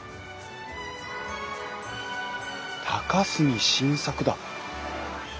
高杉晋作だ！